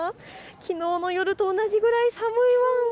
きのうの夜と同じくらい寒いワン。